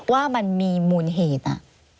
ว่ามันมีมูลเหตุ